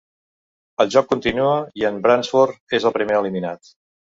El joc continua i en Bransford és el primer eliminat.